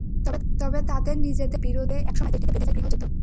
তবে তাদের নিজেদের মধ্যে বিরোধের জেরে একসময় দেশটিতে বেধে যায় গৃহযুদ্ধ।